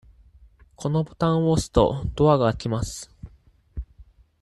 このボタンを押すと、ドアが開きます。